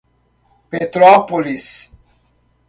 Petrópolis